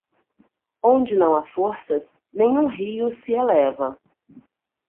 Onde não há forças, nenhum rio se eleva.